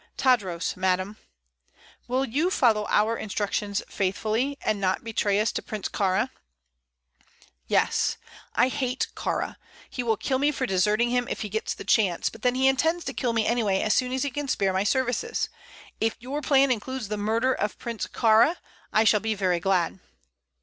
"Tadros, madam." "Will you follow our instructions faithfully, and not betray us to Prince Kāra?" "Yes. I hate Kāra. He will kill me for deserting him if he gets the chance; but then he intends to kill me anyway as soon as he can spare my services. If your plan includes the murder of Prince Kāra, I shall be very glad."